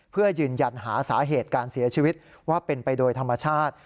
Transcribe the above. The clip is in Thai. เพื่อยืนยันหาสาเหตุการเสียชีวิตว่าเป็นไปโดยธรรมชาติ